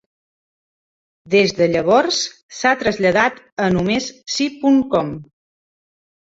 Des de llavors s'ha traslladat a només si punt com.